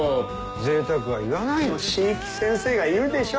ぜいたくは言わないの椎木先生がいるでしょ。